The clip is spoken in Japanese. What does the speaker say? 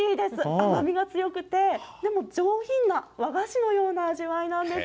甘みが強くて、でも上品な和菓子のような味わいなんです。